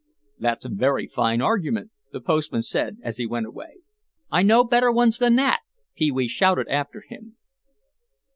"That's a very fine argument," the postman said as he went away. "I know better ones than that!" Pee wee shouted after him.